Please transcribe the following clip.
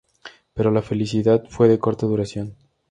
Pero la felicidad fue de corta duración.